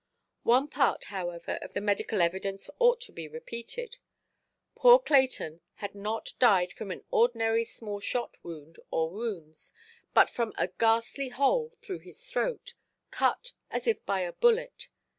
One part, however, of the medical evidence ought to be repeated. Poor Clayton had not died from an ordinary small–shot wound or wounds, but from a ghastly hole through his throat, cut as if by a bullet.